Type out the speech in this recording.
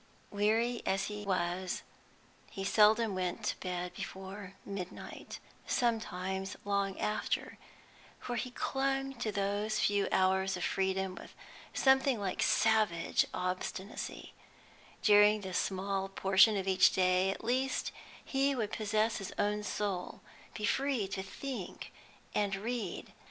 Weary as he was he seldom went to bed before midnight, sometimes long after, for he clung to those few hours of freedom with something like savage obstinacy; during this small portion of each day at least, he would possess his own soul, be free to think and read.